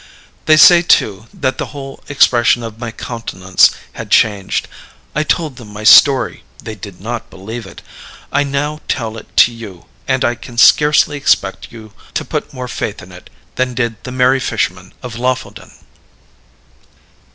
They say too that the whole expression of my countenance had changed. I told them my story; they did not believe it. I now tell it to you; and I can scarcely expect you to put more faith in it than did the merry fishermen of Lofoden."